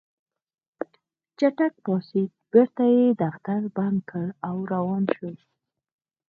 چټک پاڅېد بېرته يې دفتر بند کړ او روان شو.